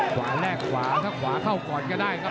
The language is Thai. แลกขวาถ้าขวาเข้าก่อนก็ได้ครับ